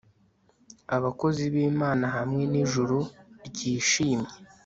Abakozi bImana hamwe nijuru ryishimye